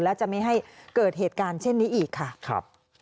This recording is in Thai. และจะไม่ให้เกิดเหตุการณ์เช่นนี้อีกค่ะ